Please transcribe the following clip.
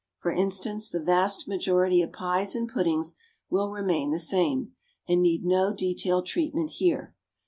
For instance, the vast majority of pies and puddings will remain the same, and need no detailed treatment here.